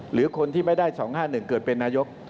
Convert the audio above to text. หรือคนที่ไม่ได้๒๕๑เกิดเป็นนายก